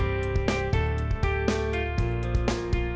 aduh aduh aduh aduh